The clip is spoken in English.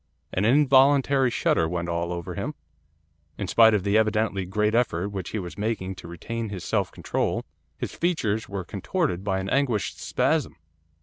An involuntary shudder went all over him. In spite of the evidently great effort which he was making to retain his self control his features were contorted by an anguished spasm.